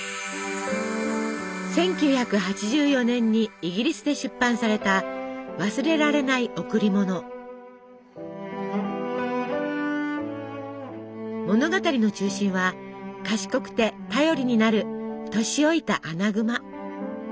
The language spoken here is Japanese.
１９８４年にイギリスで出版された物語の中心は賢くて頼りになる年老いたアナグマ。